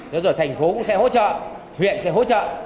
thế rồi thành phố cũng sẽ hỗ trợ huyện sẽ hỗ trợ